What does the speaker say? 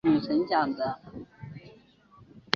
同时反呛声称如果是王炳忠袭胸的话才不奇怪。